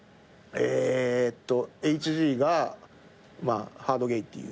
えっとＨＧが「ハードゲイ」っていう。